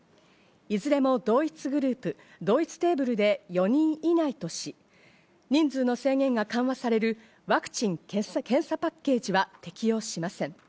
いずれも同一グループ、同一テーブルで４人以内とし、人数の制限が緩和されるワクチン・検査パッケージは適用しません。